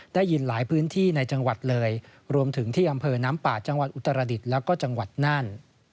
ได้ยินหลายพื้นที่ในจังหวัดเลยรวมถึงที่อำเภอน้ำป่าจังหวัดอุตรดิษฐ์แล้วก็จังหวัดน่าน